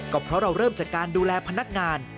ก็เพราะเราเริ่มจากการดูแลพนักงาน